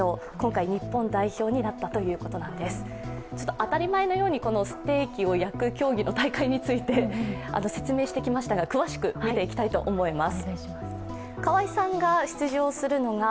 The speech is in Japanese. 当たり前のようにステーキを焼く競技について説明してきましたが詳しく見ていきたいと思います。